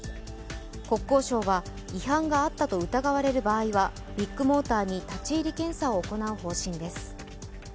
国交省は違反があったと疑われる場合はビッグモーターに立ち入り検査を行う方針です。